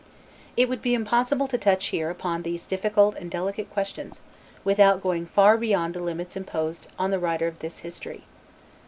It would be impossible to touch here upon these difficult and delicate questions without going far beyond the limits imposed upon the writer of this history.